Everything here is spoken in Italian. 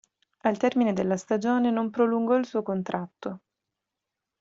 Al termine della stagione non prolungò il suo contratto.